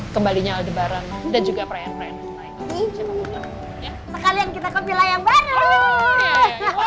kembalinya aldebaran dan juga praying praying praying ya sekalian kita ke villa yang baru